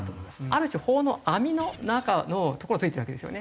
ある種法の網の中のところを突いてるわけですよね。